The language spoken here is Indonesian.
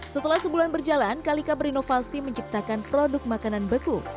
setelah sebulan berjalan kalika berinovasi menciptakan produk makanan beku